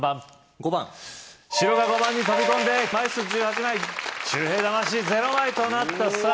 ５番白が５番に飛び込んで枚数１８枚周平魂０枚となったさぁ